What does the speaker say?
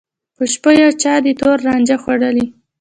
په شپو یو چا دي تور رانجه خوړلي